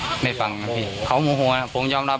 พี่รามยอมรับหนึ่งสิ่งที่พี่รามทำดูไปว่ามันแรงไปนะครับ